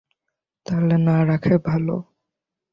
তাহলে, না রাখাই ভালো।